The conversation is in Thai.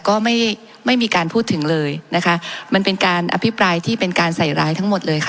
ก็ไม่ไม่มีการพูดถึงเลยนะคะมันเป็นการอภิปรายที่เป็นการใส่ร้ายทั้งหมดเลยค่ะ